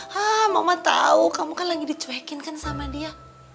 hah mama tahu kamu kan lagi dicuekin kan sama dia